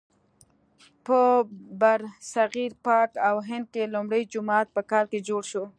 په برصغیر پاک و هند کې لومړی جومات په کال کې جوړ شو.